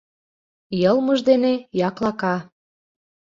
Йылмыж дене — яклака